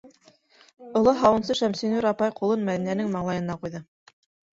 - Оло һауынсы Шәмсинур апай ҡулын Мәҙинәнең маңлайына ҡуйҙы.